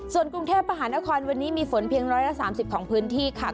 ส่วนกรุงเทพมหานครวันนี้มีฝนเพียง๑๓๐ของพื้นที่ค่ะ